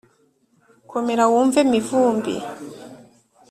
komera wumve mivumbi